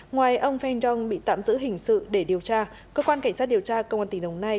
ngoài ông feng dong bị tạm giữ hình sự để điều tra cơ quan cảnh sát điều tra công an tỉnh đồng nai